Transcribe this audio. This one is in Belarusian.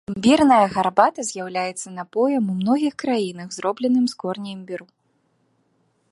Імбірная гарбата з'яўляецца напоем ў многіх краінах, зробленым з кораня імбіру.